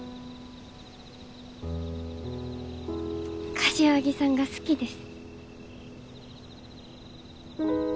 柏木さんが好きです。